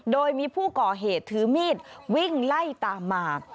โดยมีผู้ก่อเหตุถือมีดวิ่งไล่ตามมา